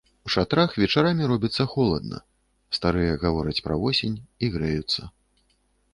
У шатрах вечарамі робіцца холадна, старыя гавораць пра восень і грэюцца.